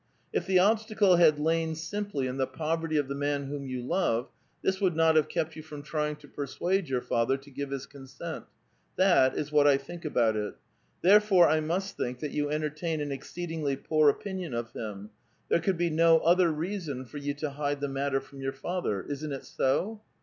If the obstacle had lain simply in the poverty of the man whom you love, this would not have kept you from trying to l>ersuade your father to give his consent ; that is wliat I think about it. Therefore I must think that you entertain an exceedingly poor opinion of him ; there could be no other reason for you to hide the matter from ^our father. Isn't it so?"